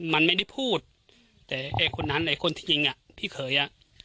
มันไม่ได้พูดแต่ไอ้คนนั้นไอ้คนที่ยิงอ่ะพี่เขยอ่ะ